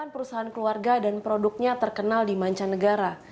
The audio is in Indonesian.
perusahaan keluarga dan produknya terkenal di mancanegara